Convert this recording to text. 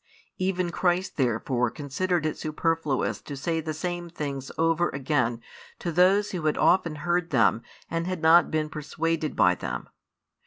Even Christ therefore considered it superfluous to say the same things over again to those who had often heard them and had not been persuaded by them.